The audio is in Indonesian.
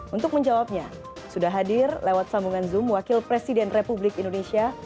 untuk menjawabnya sudah hadir lewat sambungan zoom wakil presiden republik indonesia